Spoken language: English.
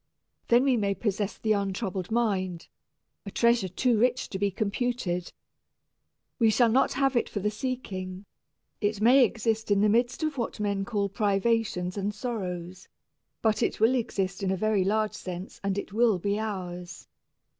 Then we may possess the untroubled mind, a treasure too rich to be computed. We shall not have it for the seeking; it may exist in the midst of what men may call privations and sorrows; but it will exist in a very large sense and it will be ours.